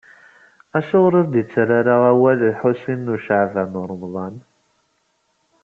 Acuɣeṛ ur d-ittarra ara awal Lḥusin n Caɛban u Ṛemḍan?